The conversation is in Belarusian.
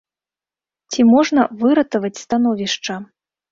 Ці можна выратаваць становішча?